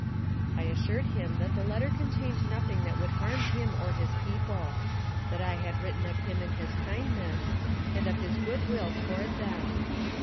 I assured him that the letter contained nothing that would harm him or his people; that I had written of him and of his kindness, and of his good will toward them.